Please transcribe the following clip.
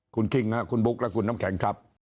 คุณคิงคุณบุ๊คและคุณน้ำแข็งครับ